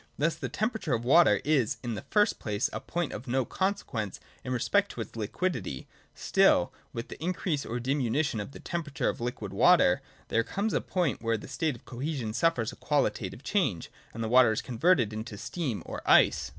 Thus the temperature of water is, in the first place, a point of no consequence in respect of its liquidity : still with the increase or diminution of the temperature of the liquid water, there comes a point where this state of cohesion suffers a quali tative change, and the water is converted into steam or ice.